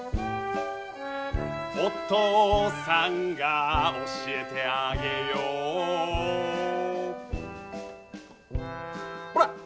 お父さんが教えてあげようほら！